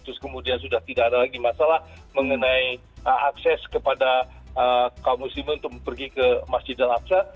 terus kemudian sudah tidak ada lagi masalah mengenai akses kepada kaum muslimin untuk pergi ke masjid al aqsa